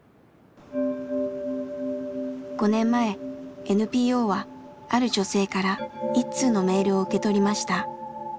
５年前ＮＰＯはある女性から一通のメールを受け取りました。